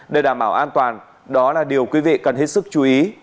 để đảm bảo an toàn đó là điều quý vị cần hết sức chú ý